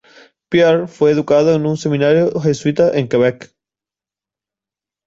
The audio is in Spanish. Pierre fue educado en un seminario jesuita en Quebec.